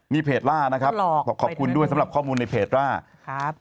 มีเพจล่านะครับบอกขอบคุณด้วยสำหรับข้อมูลในเพจว่าครับ